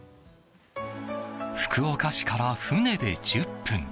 福岡市から船で１０分。